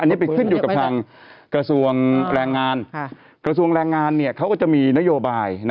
อันนี้ไปขึ้นอยู่กับทางกระทรวงแรงงานกระทรวงแรงงานเขาก็จะมีนโยบาย